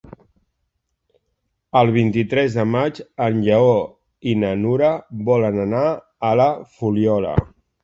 El vint-i-tres de maig en Lleó i na Nura volen anar a la Fuliola.